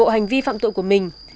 kể cả hành vi phạm tội của mình